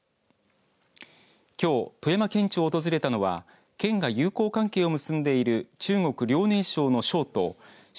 きょう富山県庁を訪れたのは県が友好関係を結んでいる中国遼寧省都